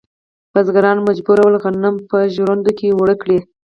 بزګران مجبور ول غنم په ژرندو کې اوړه کړي.